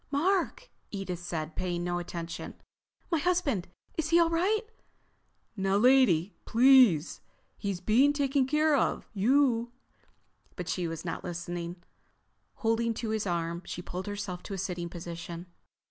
"Mark," Edith said, paying no attention. "My husband! Is he all right?" "Now lady, please. He's being taken care of. You—" But she was not listening. Holding to his arm she pulled herself to a sitting position.